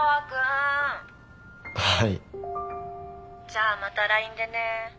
じゃあまたＬＩＮＥでね。